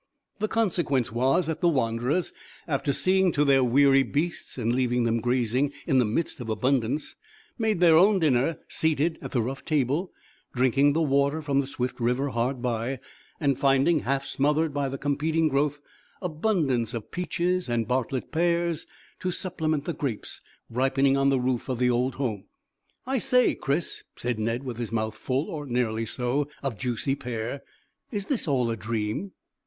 The consequence was that the wanderers, after seeing to their weary beasts and leaving them grazing in the midst of abundance, made their own dinner seated at the rough table, drinking the water from the swift river hard by, and finding, half smothered by the competing growth, abundance of peaches and Bartlett pears to supplement the grapes ripening on the roof of the old home. "I say, Chris," said Ned, with his mouth full, or nearly so, of juicy pear, "is this all a dream?"